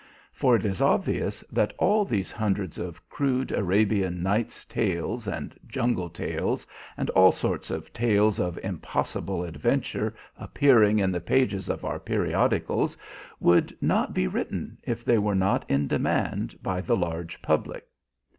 For it is obvious that all these hundreds of crude Arabian Nights tales and jungle tales and all sorts of tales of impossible adventure appearing in the pages of our periodicals would not be written if they were not in demand by the large public.